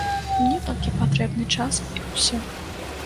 Мне толькі патрэбны час і ўсё!